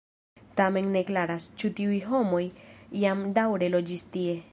Tamen ne klaras, ĉu tiuj homoj jam daŭre loĝis tie.